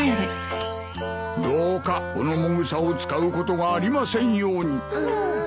どうかこのもぐさを使うことがありませんように。